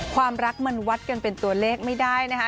ความรักมันวัดกันเป็นตัวเลขไม่ได้นะคะ